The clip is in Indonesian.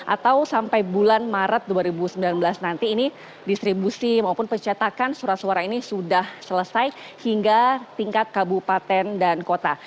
atau sampai bulan maret dua ribu sembilan belas nanti ini distribusi maupun pencetakan surat suara ini sudah selesai hingga tingkat kabupaten dan kota